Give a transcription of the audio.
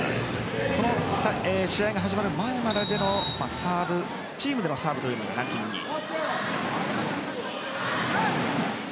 この試合が始まる前まででのチームでのサーブがランキング２位。